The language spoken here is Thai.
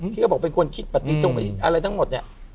ที่ก็บอกว่าเป็นคนคิดปฏิติตรงไปอีกอะไรทั้งหมดเนี่ย